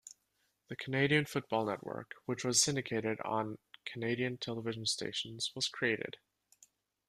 The Canadian Football Network, which was syndicated on Canadian television stations, was created.